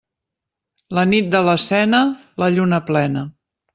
La nit de la Cena, la lluna plena.